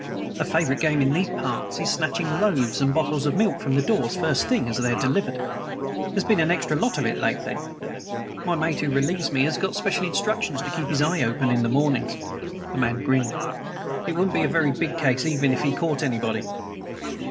A favorite game in these parts is snatching loaves and bottles of milk from the doors, first thing, as they're delivered. There's been an extra lot of it lately. My mate who relieves me has got special instructions to keep his eye open in the mornings!" The man grinned. "It wouldn't be a very big case even if he caught anybody!"